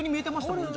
もんね